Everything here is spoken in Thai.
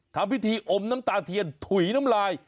ทำพิธีอมน้ำตาเทียนถุยน้ำลาย